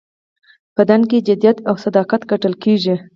په دنده کې جدیت او صداقت کتل کیږي.